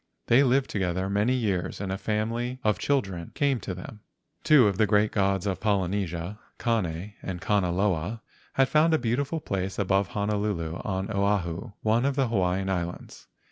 They lived together many years and a family of children came to them. Two of the great gods of Polynesia, Kane and Kanaloa, had found a beautiful place above Honolulu on Oahu, one of the Hawaiian Islands.